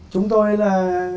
chúng tôi là